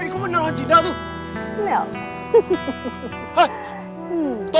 itu benar benar itu